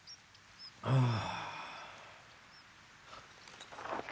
ああ。